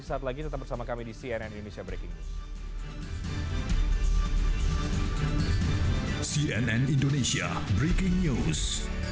sesaat lagi tetap bersama kami di cnn indonesia breaking news